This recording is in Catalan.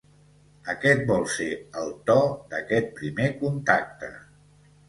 Aquest vol ser el to d'aquest primer contacte